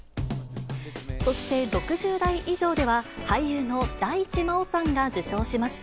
そして６０代以上では、俳優の大地真央さんが受賞しました。